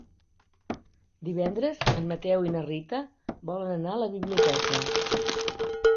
Divendres en Mateu i na Rita volen anar a la biblioteca.